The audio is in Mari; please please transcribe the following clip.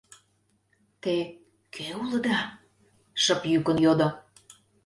— Те кӧ улыда? — шып йӱкын йодо.